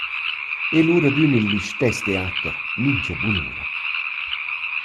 E lura adüna l’istess teater mincha bunura.